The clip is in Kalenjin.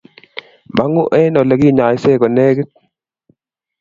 Mang`u eng ole kinyaise ko negit